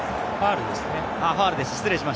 ファウルですね。